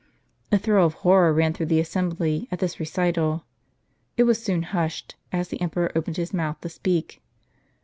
A thrill of horror ran through the assembly, at this recital. It was soon hushed, as the emperor opened his mouth to speak.